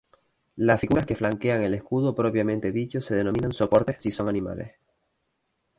Las figuras que flanquean el escudo propiamente dicho se denominan "soportes" si son animales.